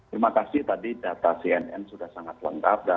terima kasih tadi data cnn sudah sangat lengkap